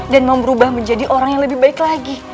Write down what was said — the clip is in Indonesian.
dan mau berubah menjadi orang yang lebih baik lagi